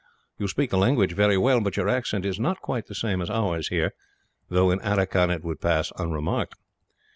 You speak the language very well, but your accent is not quite the same as ours, here, though in Aracan it would pass unremarked."